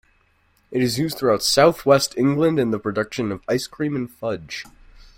It is used throughout southwest England in the production of ice cream and fudge.